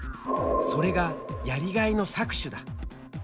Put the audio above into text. それがやりがいの搾取だ。